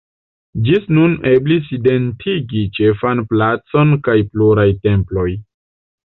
Ĝis nun eblis identigi ĉefan placon kaj pluraj temploj.